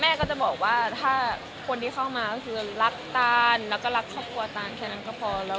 แม่ก็จะบอกว่าคนที่เข้ามารักตานเข้ามาแล้วรักข้อความตายแค่นั้นก็พอ